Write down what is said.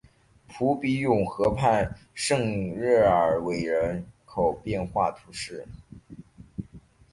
鲁比永河畔圣热尔韦人口变化图示